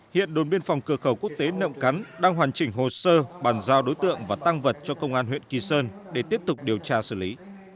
hiện đồn biên phòng cửa khẩu quốc tế nậm cắn đang hoàn chỉnh hồ sơ bàn giao đối tượng và tăng vật cho công an huyện kỳ sơn để tiếp tục điều tra xử lý